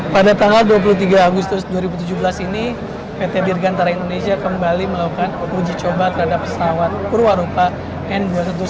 pada tanggal dua puluh tiga agustus dua ribu tujuh belas ini pt dirgantara indonesia kembali melakukan uji coba terhadap pesawat purwarupa n dua ratus dua belas